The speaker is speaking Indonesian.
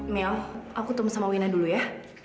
mil aku tunggu sama wina dulu ya